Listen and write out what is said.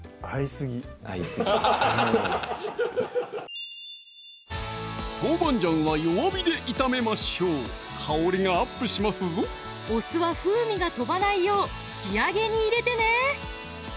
すぎ豆板醤は弱火で炒めましょう香りがアップしますぞお酢は風味が飛ばないよう仕上げに入れてね